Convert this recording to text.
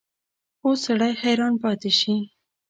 اوس سړی حیران پاتې شي.